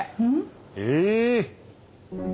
ええ。